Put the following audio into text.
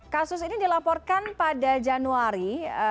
kasus ini dilaporkan pada januari dua ribu dua puluh tiga